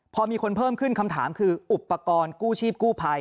พอมีคนเพิ่มขึ้นคำถามคืออุปกรณ์กู้ชีพกู้ภัย